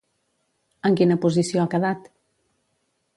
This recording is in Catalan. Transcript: En quina posició ha quedat?